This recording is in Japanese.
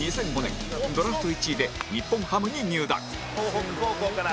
「東北高校から。